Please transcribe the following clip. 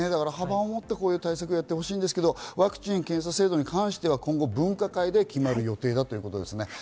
幅を持ってこういう対策をやってほしいんですけど、ワクチン検査制度に対しては、分科会で今後、決まるということですね。